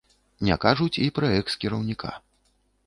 Не кажуць і пра экс-кіраўніка.